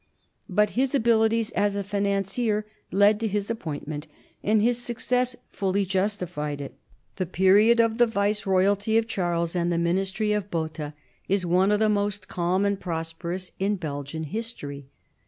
But his abilities as a financier led to his appointment, and his success fully justified it. The period of the viceroyalty of Charles and the ministry of Botta is one of the most calm and prosperous in Belgian history.